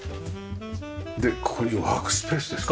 でここにワークスペースですか。